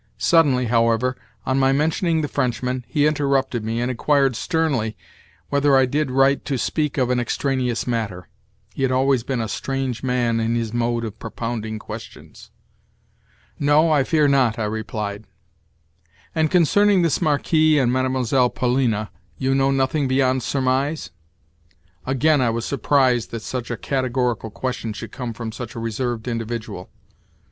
Suddenly, however, on my mentioning the Frenchman, he interrupted me, and inquired sternly whether I did right to speak of an extraneous matter (he had always been a strange man in his mode of propounding questions). "No, I fear not," I replied. "And concerning this Marquis and Mlle. Polina you know nothing beyond surmise?" Again I was surprised that such a categorical question should come from such a reserved individual.